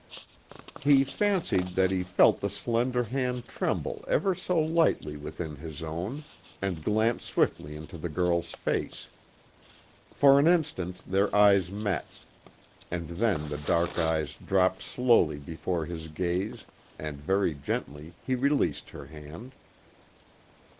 He fancied that he felt the slender hand tremble ever so lightly within his own, and glanced swiftly into the girl's face. For an instant their eyes met, and then the dark eyes dropped slowly before his gaze, and very gently he released her hand.